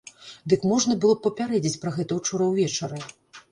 Дык можна было б папярэдзіць пра гэта учора ўвечары?